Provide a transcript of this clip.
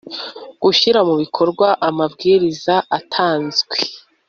Gushyira mu bikorwa amabwiriza atanzwe